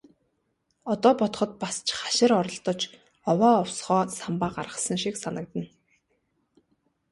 Одоо бодоход бас ч хашир оролдож, овоо овсгоо самбаа гаргасан шиг санагдана.